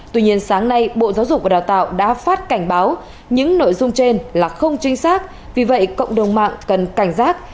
tuy nhiên sáng nay bộ giáo dục và đào tạo đã phát cảnh báo những nội dung trên là không chính xác vì vậy cộng đồng mạng cần cảnh giác